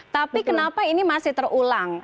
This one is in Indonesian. tapi kenapa ini masih terulang